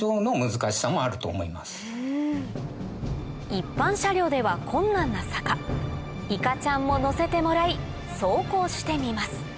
一般車両では困難な坂いかちゃんも乗せてもらい走行してみます